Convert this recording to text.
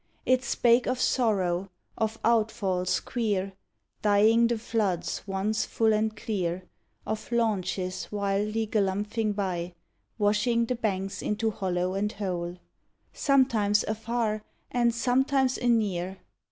It spake of sorrow, of outfalls queer, Dyeing the floods once full and clear; Of launches wildly galumphing by, Washing the banks into hollow and hole; Sometimes afar, and sometimes a near.